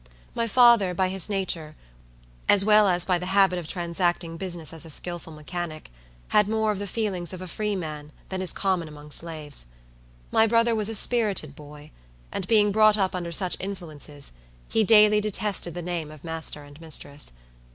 My father, by his nature, as well as by the habit of transacting business as a skillful mechanic, had more of the feelings of a freeman than is common among slaves. My brother was a spirited boy; and being brought up under such influences, he daily detested the name of master and mistress.